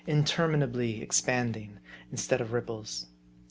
intermina bly expanding, instead of ripples.